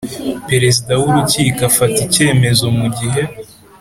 Perezida w urukiko afata icyemezo mu gihe